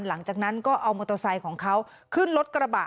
หลังจากนั้นก็เอามอเตอร์ไซค์ของเขาขึ้นรถกระบะ